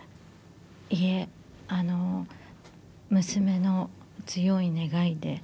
いえ娘の強い願いで。